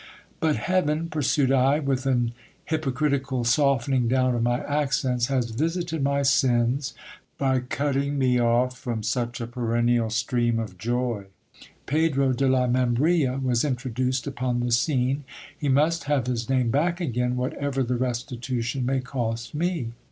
But heaven, pursued I, with an hypocritical softening down of my accents, has visited my sins by cutting me off from such a perennial stream of joy. Ptdro de la Membrilla was introduced upon the scene; he must have his name back again, whatever the restitution may cost me.